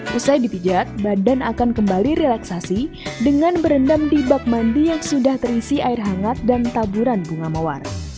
setelah dipijat badan akan kembali relaksasi dengan berendam di bak mandi yang sudah terisi air hangat dan taburan bunga mawar